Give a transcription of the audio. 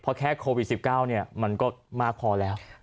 เพราะแค่โควิด๑๙มันก็มากพอแล้ว